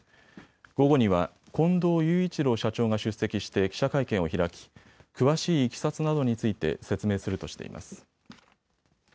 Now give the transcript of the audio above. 午後には近藤雄一郎社長が出席して記者会見を開き、詳しいいきさつなどについて説明するとしています。